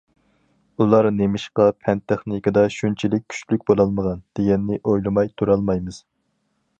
ئۇلار نېمىشقا پەن- تېخنىكىدا شۇنچىلىك كۈچلۈك بولالىغان، دېگەننى ئويلىماي تۇرالمايمىز.